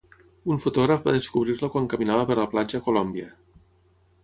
Un fotògraf va descobrir-la quan caminava per la platja a Colòmbia.